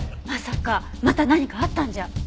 まさかまた何かあったんじゃ。